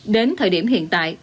đến thời điểm hiện tại